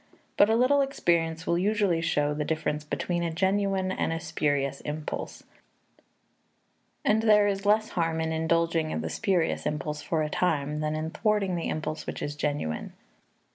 But a little experience will usually show the difference between a genuine and a spurious impulse; and there is less harm in indulging the spurious impulse for a time than in thwarting the impulse which is genuine.